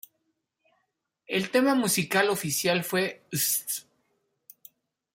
El tema musical oficial fue ""St.